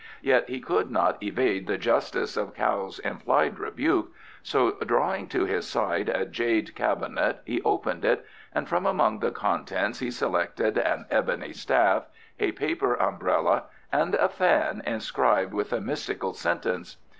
Yet he could not evade the justice of Kao's implied rebuke, so drawing to his side a jade cabinet he opened it, and from among the contents he selected an ebony staff, a paper umbrella, and a fan inscribed with a mystical sentence.